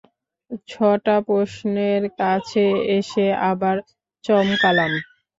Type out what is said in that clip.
ছটা প্রশ্নের কাছে এসে আবার চমকালাম।